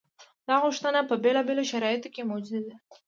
دا غوښتنه په بېلابېلو شرایطو کې موجوده ده.